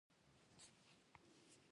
د مچۍ شات ډیرې روغتیایي ګټې لري